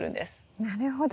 なるほど。